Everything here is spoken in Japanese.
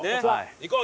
行こう！